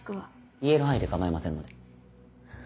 言える範囲で構いませんので。